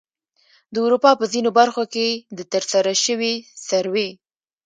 د اروپا په ځینو برخو کې د ترسره شوې سروې